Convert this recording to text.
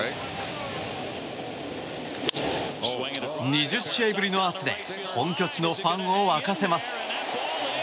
２０試合ぶりのアーチで本拠地のファンを沸かせます。